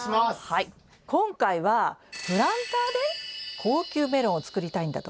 今回はプランターで高級メロンを作りたいんだとか？